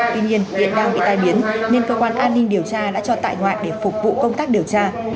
tuy nhiên hiện đang bị tai biến nên cơ quan an ninh điều tra đã cho tại ngoại để phục vụ công tác điều tra